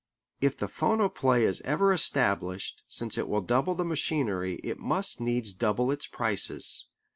If the phonoplay is ever established, since it will double the machinery, it must needs double its prices.